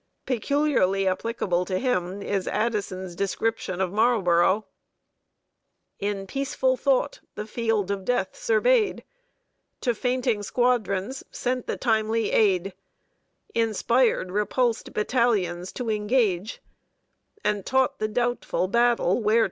Peculiarly applicable to him is Addison's description of Marlborough: "In peaceful thought the field of death surveyed; To fainting squadrons sent the timely aid; Inspired repulsed battalions to engage, And taught the doubtful battle where to rage."